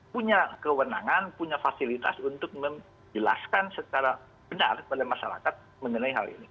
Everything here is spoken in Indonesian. punya kewenangan punya fasilitas untuk menjelaskan secara benar kepada masyarakat mengenai hal ini